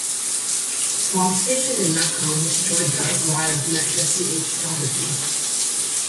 While stationed in Macon, Georgia, Rives met Jessie H. Daugherty.